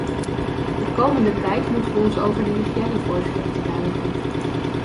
De komende tijd moeten wij ons over de hygiënevoorschriften buigen.